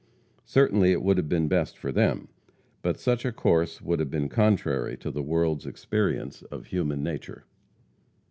Certainly, it would have been best for them. But such a course would have been contrary to the world's experience of human nature.